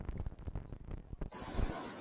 লোকমান ফকিরের বাড়ি কুমিল্লার নবীনগরে।